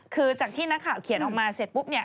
คือจากที่นักข่าวเขียนออกมาเสร็จปุ๊บเนี่ย